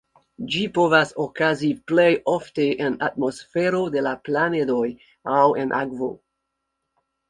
Ĝi povas okazi plej ofte en atmosfero de la planedoj aŭ en akvo.